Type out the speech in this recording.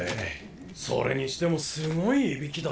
それにしてもすごいいびきだ